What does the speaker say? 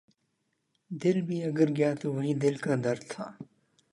دل بھی اگر گیا تو وہی دل کا درد تھا